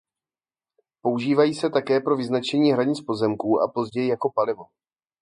Používají se také pro vyznačení hranic pozemků a později jako palivo.